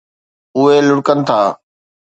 اُهي لڙڪن ٿا